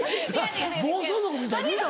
暴走族みたいに言うな。